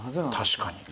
確かに。